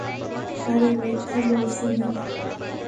আরে মিথ্যা বলছি না।